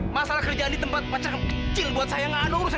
masalah kerjaan di tempat pacar kecil buat saya nggak ada urusan